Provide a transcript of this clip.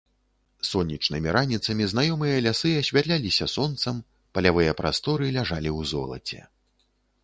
Сонечнымі раніцамі знаёмыя лясы асвятляліся сонцам, палявыя прасторы ляжалі ў золаце.